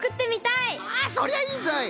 そりゃいいぞい！